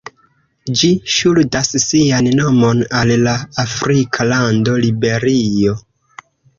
Ĝi ŝuldas sian nomon al la afrika lando Liberio.